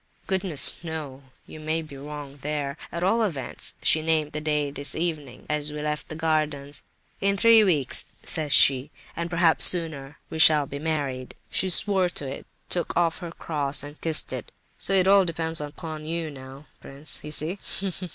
"Goodness knows—you may be wrong there! At all events, she named the day this evening, as we left the gardens. 'In three weeks,' says she, 'and perhaps sooner, we shall be married.' She swore to it, took off her cross and kissed it. So it all depends upon you now, prince, You see!